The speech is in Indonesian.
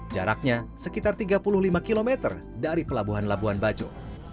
jaraknya sekitar tiga puluh lima km dari pelabuhan labuan bajo